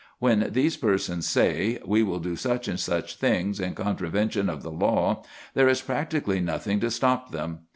When these persons say: "We will do such and such things in contravention of the law," there is practically nothing to stop them.